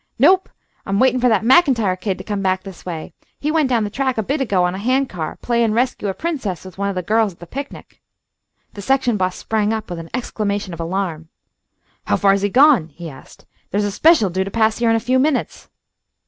"Nope! I'm waiting for that MacIntyre kid to come back this way. He went down the track a bit ago on a hand car, playing rescue a princess with one of the girls at the picnic," The section boss sprang up with an exclamation of alarm. "How far's he gone?" he asked. "There's a special due to pass here in a few minutes."